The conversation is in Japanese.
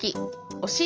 「おしり」